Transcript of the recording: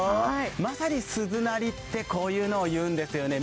まさに鈴なりってこういうのを言うんですよね。